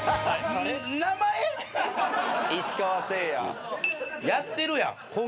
「石川晟也」やってるやん。